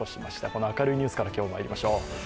この明るいニュースから今日はまいりましょう。